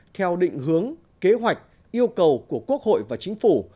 theo định hướng kế hoạch yêu cầu của quốc hội và chính phủ